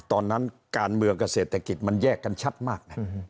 ตอนนั้นการเมืองกับเศรษฐกิจมันแยกกันชัดมาก